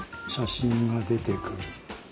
写真が出てくる。